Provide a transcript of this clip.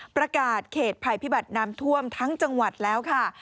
ประกาศเขตภัยพิบัติน้ำท่วมทั้งจังหวัดแล้วค่ะ